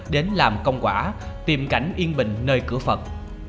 đến làm công quả tìm cảnh yên bình nơi cửa phật